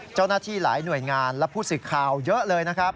เจ้าหน้าที่หลายหน่วยงานและผู้สื่อข่าวเยอะเลยนะครับ